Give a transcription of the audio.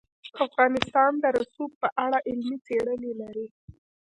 افغانستان د رسوب په اړه علمي څېړنې لري.